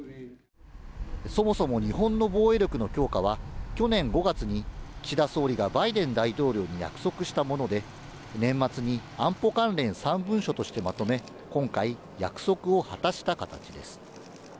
そもそも日本の防衛力の強化は、去年５月に岸田総理がバイデン大統領に約束したもので、年末に安保関連３文書としてまとめ、今回、約束を果たした形です。